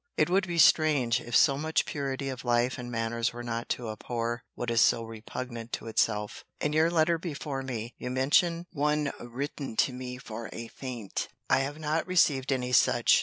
It would be strange, if so much purity of life and manners were not to abhor what is so repugnant to itself. In your letter before me, you mention one written to me for a feint.* I have not received any such.